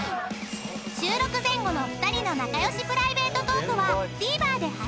［収録前後の２人の仲良しプライベートトークはＴＶｅｒで配信］